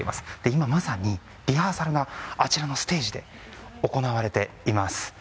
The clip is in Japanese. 今、まさにリハーサルがあちらのステージで行われています。